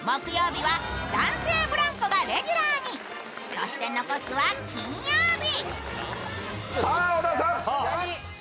そして残すは金曜日。